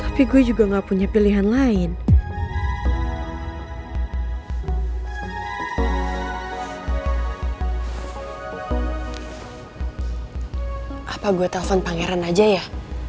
apa gue telepon pangeran aja ya